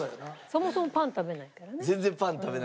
そもそもパン食べないからね。